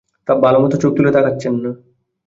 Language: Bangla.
ভালোমতো চোখ তুলে তাকাচ্ছেন না।